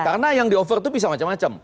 karena yang di offer itu bisa macam macam